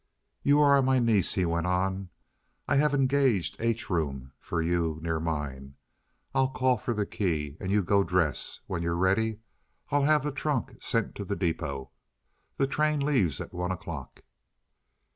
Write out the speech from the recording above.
"You are my niece," he went on. "I have engaged H room for you near mine. I'll call for the key, and you go dress. When you're ready I'll have the trunk sent to the depôt. The train leaves at one o'clock."